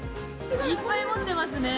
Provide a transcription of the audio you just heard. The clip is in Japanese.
いっぱい持ってますね。